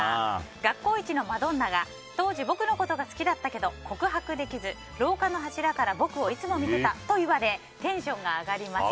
学校一のマドンナが当時、僕のことが好きだったけど告白できず廊下の柱から僕をいつも見てたと言われテンションが上がりました。